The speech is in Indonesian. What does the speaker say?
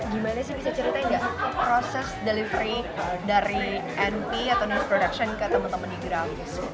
gimana sih bisa ceritain nggak proses delivery dari np atau news production ke teman teman di grafis